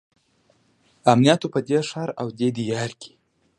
امنیت وو په دې ښار او دې دیار کې.